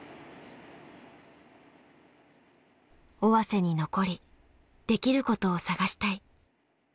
尾鷲に残りできることを探したい。